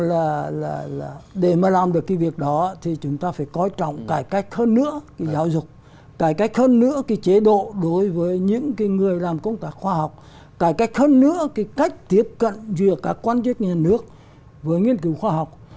và để mà làm được cái việc đó thì chúng ta phải coi trọng cải cách hơn nữa cái giáo dục cải cách hơn nữa cái chế độ đối với những cái người làm công tác khoa học cải cách hơn nữa cái cách tiếp cận giữa các quan chức nhà nước với nghiên cứu khoa học